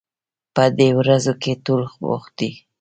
په دې ورځو کې ټول بوخت دي